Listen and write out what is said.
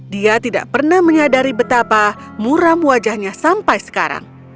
dia tidak pernah menyadari betapa muram wajahnya sampai sekarang